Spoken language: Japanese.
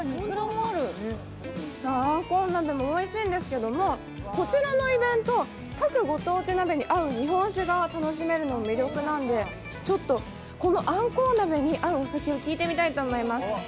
あんこう鍋もおいしいんですけれどもこちらのイベント、各ご当地鍋に合う日本酒が楽しめるのも魅力なんで、このあんこう鍋に合うお酒を聞いてみたいと思います。